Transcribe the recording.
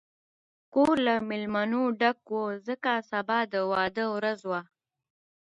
کور له مېلمنو ډک و، ځکه سبا د واده ورځ وه.